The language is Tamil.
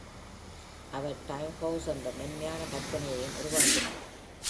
அவர் "டைம்ஹவுஸ்" என்ற மென்மையான கற்பனையையும் உருவாக்கினார்.